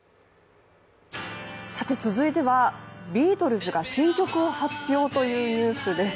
続いてはビートルズが新曲を発表というニュースです。